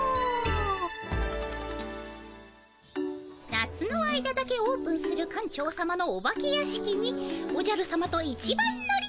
夏の間だけオープンする館長さまのお化け屋敷におじゃるさまと一番乗り。